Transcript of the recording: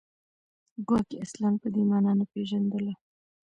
ګواکې اصلاً په دې معنا نه پېژندله